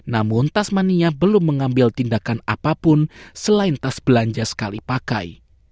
namun tasmania belum mengambil tindakan apapun selain tas belanja sekali pakai